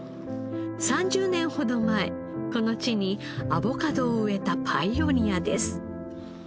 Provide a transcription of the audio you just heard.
３０年ほど前この地にアボカドを植えたパイオニアです。